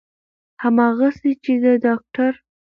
همغسې چې د داکتر